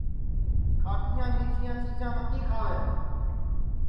گھٹؔؔیاں میٹھیاں چیجاں متی کھاوے